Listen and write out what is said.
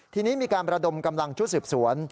ทีนี้มีการประดมกำลังชุดสืบสวน